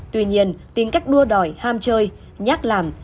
tuy nhiên tìm cách đua đòi ham chơi nhát làm